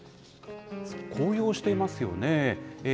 紅葉していますよね。